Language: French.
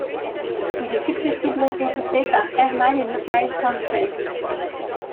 Il est successivement édité par Hermann et Mikhaïl Kornfeld.